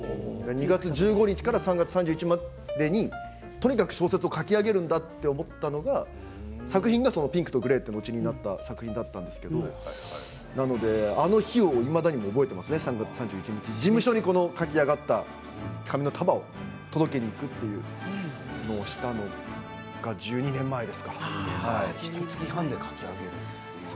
２月１５日から３月３１日までとにかく小説を書き上げるんだと思ったのが作品が「ピンクとグレー」となった作品なんですけどあの日をいまだに覚えていますね３月３１日事務所に書き上がった紙の束を届けに行くというのをしたのがひとつき半で書き上げると。